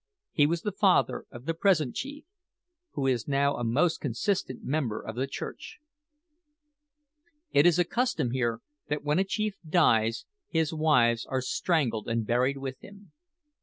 He was the father of the present chief, who is now a most consistent member of the Church. It is a custom here that when a chief dies his wives are strangled and buried with him.